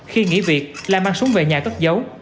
khi nghỉ việc lan mang súng về nhà cất giấu